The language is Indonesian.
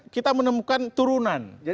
kita menemukan turunan